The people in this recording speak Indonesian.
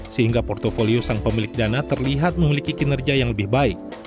sehingga portfolio sang pemilik dana terlihat memiliki kinerja yang lebih baik